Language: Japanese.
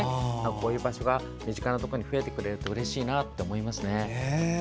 こういう場所が身近な場所に増えてくれるとうれしいなと思います。